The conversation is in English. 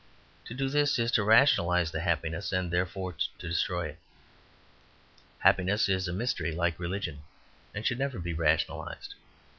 To do this is to rationalize the happiness, and therefore to destroy it. Happiness is a mystery like religion, and should never be rationalized.